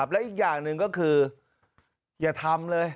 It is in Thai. และอีกอย่างหนึ่งก็คืออย่าทำเลย